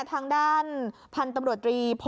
กระโดดตุ๋มมันหายไปเลย